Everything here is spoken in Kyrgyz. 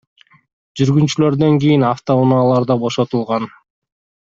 Жүргүнчүлөрдөн кийин автоунаалар да бошотулган.